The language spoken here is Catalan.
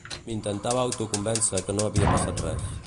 M’intentava autoconvéncer que no havia passat res.